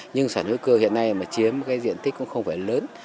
nhưng sản xuất hữu cơ hiện nay mà chiếm cái diện tích cũng không phải lớn